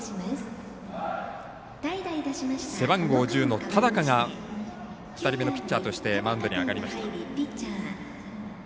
背番号１０の田高が２人目のピッチャーとしてマウンドに上がりました。